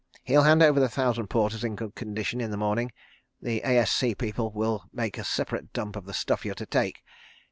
He'll hand over the thousand porters in good condition in the morning. ... The A.S.C. people will make a separate dump of the stuff you are to take.